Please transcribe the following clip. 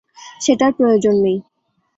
সেটার প্রয়োজন নেই।